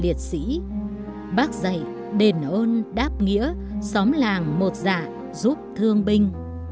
liệt sĩ bác dạy đền ôn đáp nghĩa xóm làng một dạ giúp thương binh